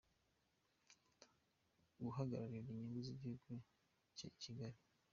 guhagarira inyungu z’igihugu cye i Kigali.